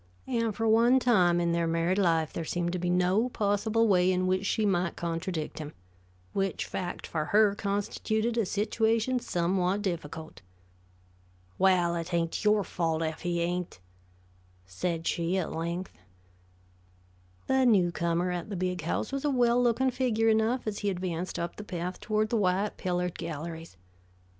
And for one time in their married life there seemed to be no possible way in which she might contradict him, which fact for her constituted a situation somewhat difficult. "Well, it hain't yore fault ef he hain't," said she at length. The new comer at the Big House was a well looking figure enough as he advanced up the path toward the white pillared galleries.